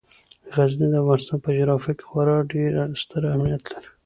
غزني د افغانستان په جغرافیه کې خورا ډیر ستر اهمیت لري.